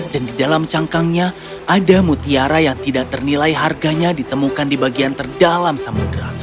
dan di dalam cangkangnya ada mutiara yang tidak ternilai harganya ditemukan di bagian terdalam samudera